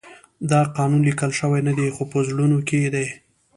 دا قانون لیکل شوی نه دی خو په زړونو کې دی.